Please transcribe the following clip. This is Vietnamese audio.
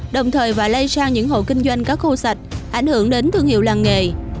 đồng thời và lây sang những hộ kinh doanh cá khô sạch ảnh hưởng đến thương hiệu làng nghề